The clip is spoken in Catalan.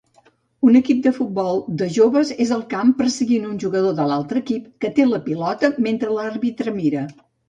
Un equip de futbol de joves és al camp perseguint un jugador de l'altre equip que té la pilota mentre l'àrbitre mira.